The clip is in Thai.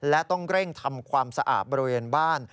และต้องเร่งทำความสะอาดบริเวณบ้าน